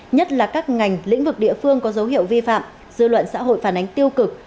nhất là các ngành lĩnh vực địa phương có dấu hiệu vi phạm dư luận xã hội phản ánh tiêu cực